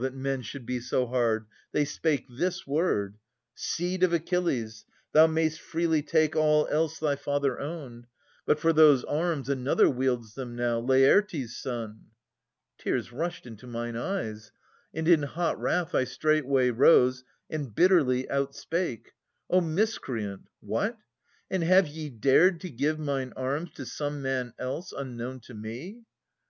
That men should be so hard !— they spake this word :' Seed of Achilles, thou may'st freely take All else thy father owned, but for those arms. Another wields them now, Laertes' son.' Tears rushed into mine eyes, and in hot wrath I straightway rose, and bitterly outspake :' O miscreant ! What ? And have ye dared to give Mine arms to some man else, unknown to me